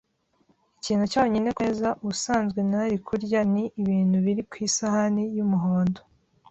Ikintu cyonyine kumeza ubusanzwe ntari kurya ni ibintu biri ku isahani yumuhondo.